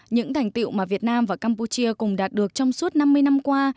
những thành tiệu mà việt nam và campuchia cùng đạt được trong suốt năm mươi năm qua